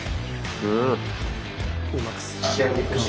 うん。